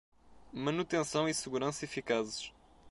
Manutenção e segurança eficazes